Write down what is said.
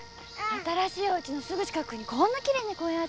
新しいおうちのすぐ近くにこんな奇麗な公園あってね。